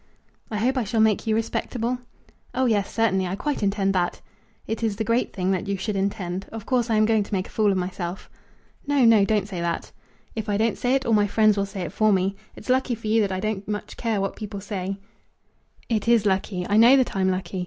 "I hope I shall make you respectable?" "Oh, yes; certainly. I quite intend that." "It is the great thing that you should intend. Of course I am going to make a fool of myself." "No, no; don't say that." "If I don't say it, all my friends will say it for me. It's lucky for you that I don't much care what people say." "It is lucky; I know that I'm lucky.